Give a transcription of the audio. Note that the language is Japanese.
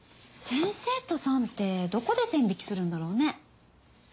先生とさんってどこで線引きするんだろうね？